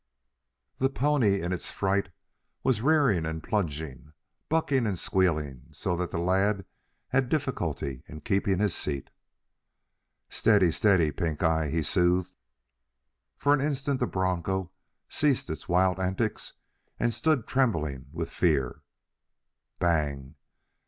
The pony in its fright was rearing and plunging, bucking and squealing so that the lad had difficulty in keeping his seat. "Steady, steady, Pink eye," he soothed. For an instant the broncho ceased its wild antics and stood trembling with fear. "Bang!"